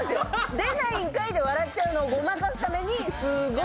「出ないんかい」で笑っちゃうのをごまかすためにすっごい